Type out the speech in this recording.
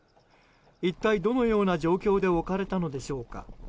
一体どのような状況で置かれたのでしょうか。